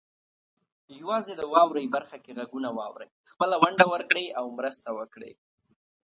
یوازې د "واورئ" برخه کې غږونه واورئ، خپله ونډه ورکړئ او مرسته وکړئ.